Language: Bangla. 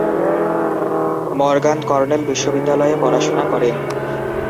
মরগান কর্নেল বিশ্ববিদ্যালয়ে পড়াশুনা করেন।